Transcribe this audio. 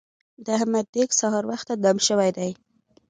د احمد دېګ سهار وخته دم شوی دی.